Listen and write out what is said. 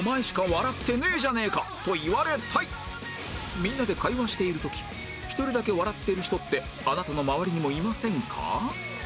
今夜はみんなで会話している時１人だけ笑ってる人ってあなたの周りにもいませんか？